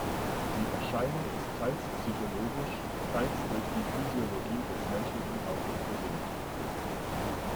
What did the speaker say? Die Erscheinung ist teils psychologisch, teils durch die Physiologie des menschlichen Auges bedingt.